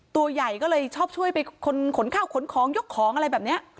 ตัวใหญ่ก็เลยชอบช่วยไปขนข้าวขนของยกของอะไรแบบนี้